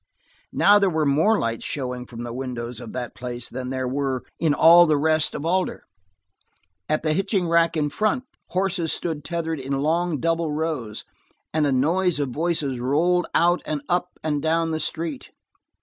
Now there were more lights showing from the windows of that place than there were in all the rest of Alder; at the hitching racks in front, horses stood tethered in long double rows, and a noise of voices rolled out and up and down the street.